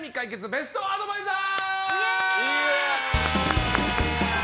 ベストアドバイザー！